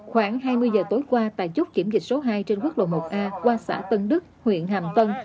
khoảng hai mươi giờ tối qua tại chốt kiểm dịch số hai trên quốc lộ một a qua xã tân đức huyện hàm tân